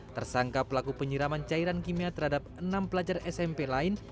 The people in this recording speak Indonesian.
tersangka pelaku penyiraman cairan kimia terhadap enam pelajar smp lain